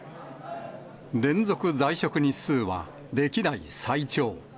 連続在職日数は歴代最長。